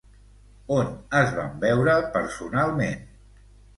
On es van veure personalment?